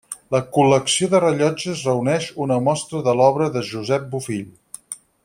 La Col·lecció de Rellotges reuneix una mostra de l'obra de Josep Bofill.